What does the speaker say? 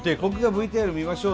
ＶＴＲ見ましょう。